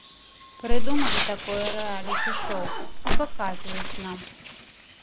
Прыдумалі такое рэаліці-шоў і паказваюць нам.